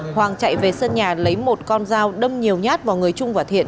hoàng chạy về sân nhà lấy một con dao đâm nhiều nhát vào người trung và thiện